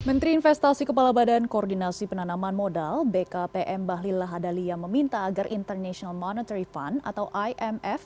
menteri investasi kepala badan koordinasi penanaman modal bkpm bahlil lahadalia meminta agar international monetary fund atau imf